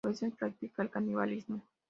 A veces, practica el canibalismo.